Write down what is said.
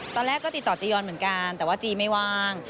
ตอนแรกก็ติดต่อจียอนเหมือนกันแต่ว่าจีไม่ว่าง